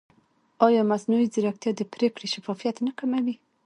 ایا مصنوعي ځیرکتیا د پرېکړې شفافیت نه کموي؟